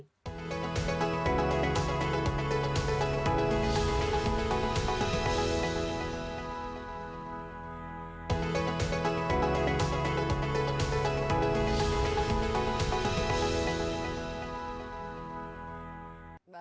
tapi ini adalah perubahan untuk pemerintahan yang baru